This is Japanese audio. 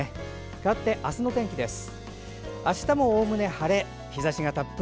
かわって、明日の天気です。